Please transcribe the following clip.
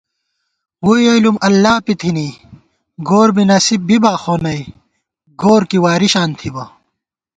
ووئی علم اللہ پی تھنی گور بی نصیب بِبا خو نئ گور کی واریشان تھِبہ